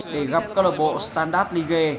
để gặp cơ lợi bộ standard ligue